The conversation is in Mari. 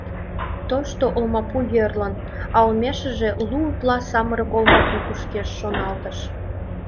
«Тошто олмапу йӧрлын, а олмешыже лу утла самырык олмапу кушкеш, — шоналтыш.